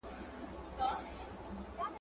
هم ئې سوځي، هم ئې ورکوي.